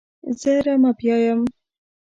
زه رمه پیايم.